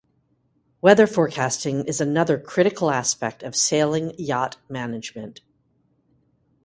Weather forecasting is another critical aspect of sailing yacht management.